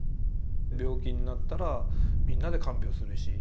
病気になったらみんなで看病するし。